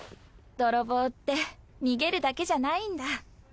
泥棒って逃げるだけじゃないんだ。